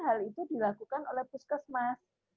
hal itu dilakukan oleh puskesmas